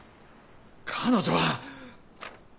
彼女は。